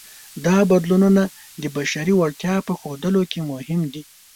دا بدلونونه د بشري وړتیا په ښودلو کې مهم دي.